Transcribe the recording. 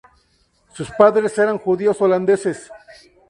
Sus padres eran judíos holandeses.